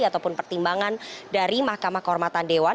ataupun pertimbangan dari mahkamah kehormatan dewan